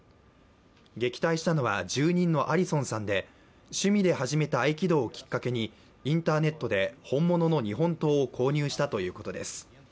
撃退したのは住人のアリソンさんで趣味で始めた合気道をきっかけにインターネットで本物の日本刀を購入したということです。